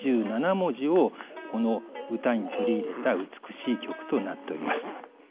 ４７文字をこの歌に取り入れた美しい曲となっております。